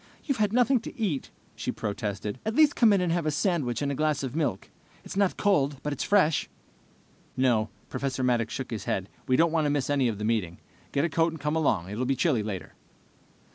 "You've had nothing to eat," she protested. "At least come in and have a sandwich and a glass of milk. It's not cold, but it's fresh." "No." Professor Maddox shook his head. "We don't want to miss any of the meeting. Get a coat and come along. It will be chilly later."